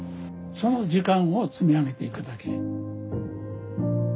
その時間を積み上げていくだけ。